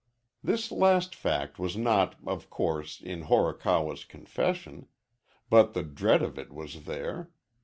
This last fact was not, of course, in Horikawa's confession. But the dread of it was there.